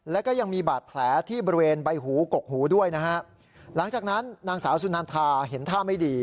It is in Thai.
แล้วก็ยังมีบาดแผลที่บริเวณใบหูกกหูด้วยนะฮะหลังจากนั้นนางสาวสุนันทาเห็นท่าไม่ดี